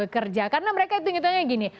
karena mereka itu ngitanya gini